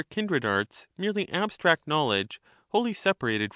453 kindred arts, merely abstract knowledge, wholly separated Staiesman.